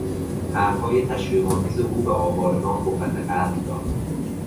حرف های تشویق آمیز او به آوارگان قوت قلب داد.